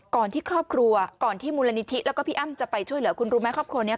ก่อนที่ครอบครัวก่อนที่มูลนิธิแล้วก็พี่อ้ำจะไปช่วยเหลือคุณรู้ไหมครอบครัวนี้